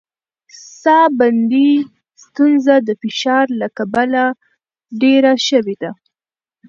ساه بندي ستونزه د فشار له کبله ډېره شوې ده.